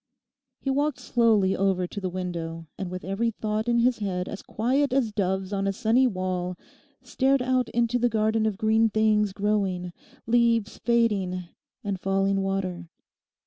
He walked slowly over to the window and with every thought in his head as quiet as doves on a sunny wall, stared out into the garden of green things growing, leaves fading and falling water.